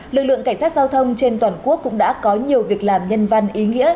lực lượng cảnh sát giao thông trên toàn quốc cũng đã có nhiều việc làm nhân văn ý nghĩa